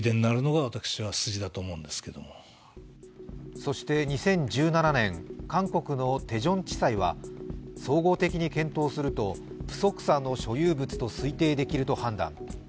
そして２０１７年、韓国のテジョン地裁は総合的に検討すると、プソクサの所有物と推定できると判断。